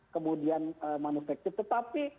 kemudian manufaktur tetapi